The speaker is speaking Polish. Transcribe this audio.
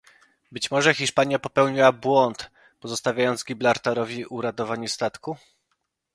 Być może Hiszpania popełniła błąd pozostawiając Gibraltarowi uratowanie statku?